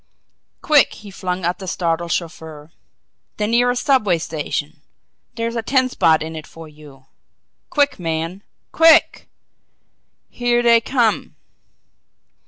"Quick!" he flung at the startled chauffeur. "The nearest subway station there's a ten spot in it for you! Quick man QUICK! Here they come!"